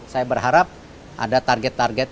saya berharap ada target target